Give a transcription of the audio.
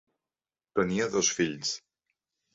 Tenia dos fills.